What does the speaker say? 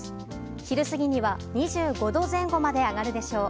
昼過ぎには２５度前後まで上がるでしょう。